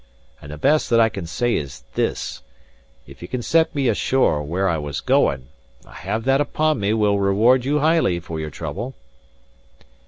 And the best that I can say is this: If ye can set me ashore where I was going, I have that upon me will reward you highly for your trouble."